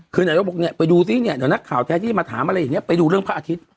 คือไหนก็บอกเนี่ยไปดูซิเนี่ยเดี๋ยวนักข่าวแท้ที่มาถามอะไรอย่างนี้ไปดูเรื่องพระอาทิตย์